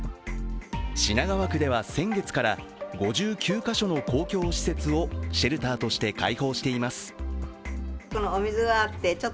品川区では先月から５９か所の公共施設をシェルターとして開放しています。